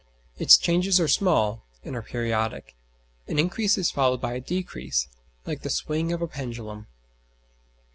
Its changes are small and are periodic an increase is followed by a decrease, like the swing of a pendulum.